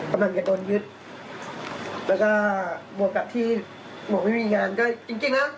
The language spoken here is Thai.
กำลังจะโดนยึดแล้วก็บวกกับที่หมวกไม่มีงานก็จริงจริงนะ